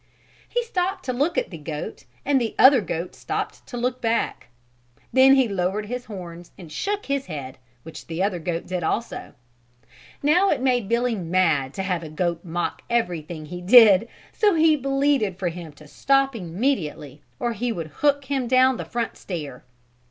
He stopped to look at the goat and the other goat stopped to look back. Then he lowered his horns and shook his head, which the other goat did also. Now it made Billy mad to have a goat mock everything he did, so he bleated for him to stop immediately or he would hook him down the front stair.